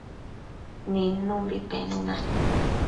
nidnumbi penuna